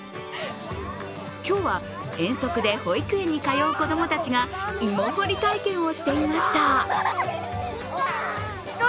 今日は遠足で保育園に通う子供たちが芋掘り体験をしていました。